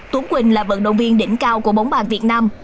tuấn quỳnh là vận động viên đỉnh cao của bóng bàn việt nam